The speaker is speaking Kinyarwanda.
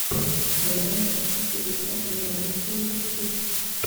mu rubanza ashyikiriza umwanditsi w urukiko